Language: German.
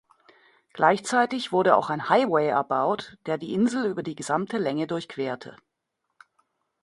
Gleichzeitig wurde auch ein Highway erbaut, der die Insel über die gesamte Länge durchquerte.